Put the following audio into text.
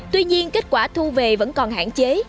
tuy nhiên kết quả thu về vẫn còn hạn chế